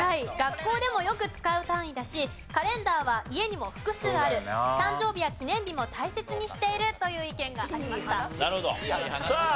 学校でもよく使う単位だしカレンダーは家にも複数ある誕生日や記念日も大切にしているという意見がありました。